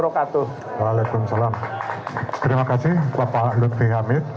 waalaikumsalam terima kasih bapak lutfi hamid